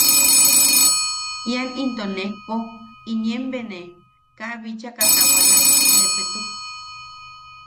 Ian into nejpo inien bena, kaa bichaka tawala, lepetuk.